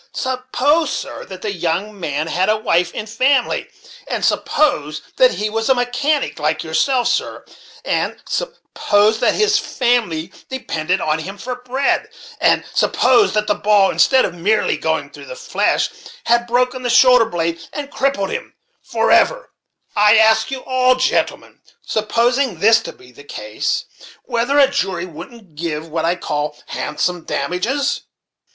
Suppose, sir, that the young man had a wife and family; and suppose that he was a mechanic like yourself, sir; and suppose that his family depended on him for bread; and suppose that the ball, instead of merely going through the flesh, had broken the shoulder blade, and crippled him forever; I ask you all, gentlemen, supposing this to be the case, whether a jury wouldn't give what I call handsome damages?"